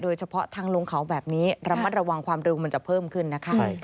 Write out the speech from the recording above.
โดยเฉพาะทางลงเขาแบบนี้ระมัดระวังความเร็วมันจะเพิ่มขึ้นนะคะ